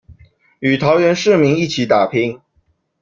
與桃園市民一起打拼